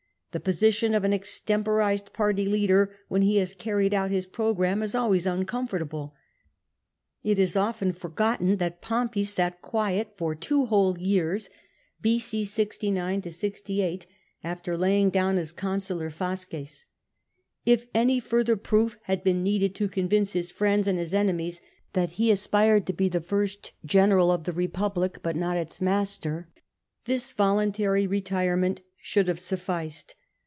The position of an extemporised party leader when he has carried out his programme is always uncomfortable. It is often for gotten that Pompey sat quiet for two whole years [b.o. 69 68] after laying down his consular fasces. If any further proof had been needed to convince his friends and his enemies that he aspired to be the first general of the Eepublic, but not its master, this voluntary retire ment should have sufficed.